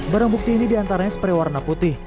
barang bukti ini diantaranya spray warna putih